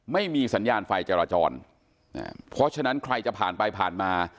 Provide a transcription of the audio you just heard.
ไม่มีสัญญาณไฟจราจรเพราะฉะนั้นใครจะผ่านไปผ่านมา